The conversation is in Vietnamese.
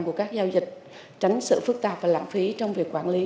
của các giao dịch tránh sự phức tạp và lãng phí trong việc quản lý